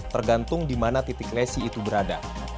tergantung di mana titik lesi itu berada